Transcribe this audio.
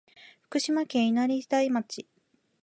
福島県猪苗代町